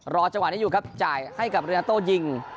จังหวะนี้อยู่ครับจ่ายให้กับเรียโต้ยิง